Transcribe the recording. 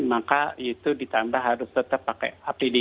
maka itu ditambah harus tetap pakai apd